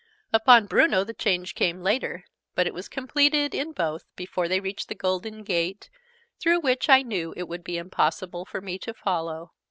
Upon Bruno the change came later: but it was completed in both before they reached the golden gate, through which I knew it would be impossible for me to follow.